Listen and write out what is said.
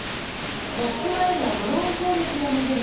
モスクワへのドローン攻撃を巡り